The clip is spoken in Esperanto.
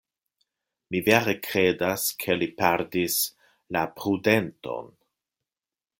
Mi vere kredas, ke li perdis la prudenton.